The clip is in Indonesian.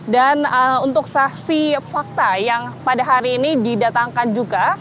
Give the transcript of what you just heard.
dan untuk saksi fakta yang pada hari ini didatangkan juga